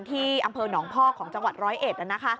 ที่อำเภอหนองพอกของจังหวัดร้อยเอ็ด